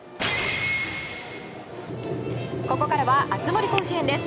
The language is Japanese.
ここからは「熱盛甲子園」です。